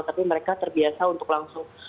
tapi mereka terbiasa untuk langsung